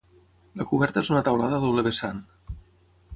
La coberta és una teulada a doble vessant.